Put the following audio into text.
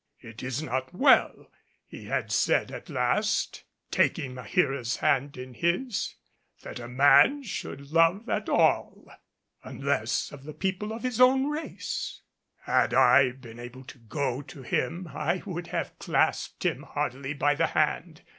"It is not well," he had said at last, taking Maheera's hand in his, "that a man should love at all unless of the people of his own race." Had I been able to go to him I would have clasped him heartily by the hand.